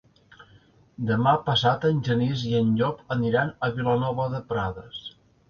Demà passat en Genís i en Llop aniran a Vilanova de Prades.